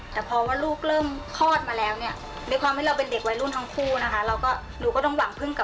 แต่พอลูกเริ่มคลอดมาแล้วด้วยความว่าเราเป็นเด็กวัยรุ่นทั้งคู่ต้องหวังงั้นกับทางบ้านเยอะ